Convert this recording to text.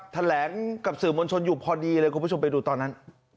แถลงกับสื่อมวลชนอยู่พอดีเลยคุณผู้ชมไปดูตอนนั้น